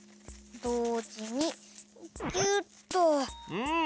うん！